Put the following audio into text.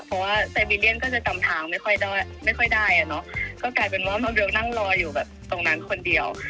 เพราะว่าไซบีเรียนก็จะกำทางไม่ค่อยได้ไม่ค่อยได้อ่ะเนอะก็กลายเป็นว่าเบลนั่งรออยู่แบบตรงนั้นคนเดียว